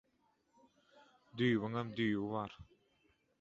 Düýbiňem düýbi bar.